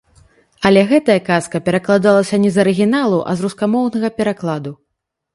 Але гэтая казка перакладалася не з арыгіналу, а з рускамоўнага перакладу.